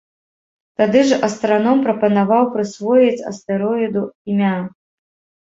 Тады ж астраном прапанаваў прысвоіць астэроіду імя.